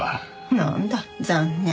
なんだ残念。